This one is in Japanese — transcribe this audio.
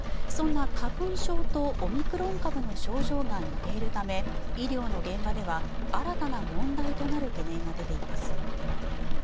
そんな花粉症とオミクロン株の症状が似ているため医療の現場では新たな問題となる懸念が出ています。